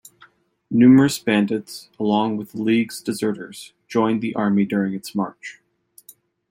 Numerous bandits, along with the League's deserters, joined the army during its march.